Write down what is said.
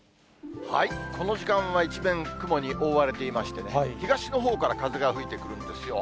この時間は一面、雲に覆われていましてね、東のほうから風が吹いてくるんですよ。